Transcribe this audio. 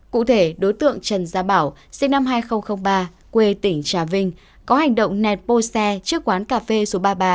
cụ thể đối tượng trần gia bảo sinh năm hai nghìn ba quê tỉnh trà vinh có hành động nẹt bô xe trước quán cà phê số ba mươi ba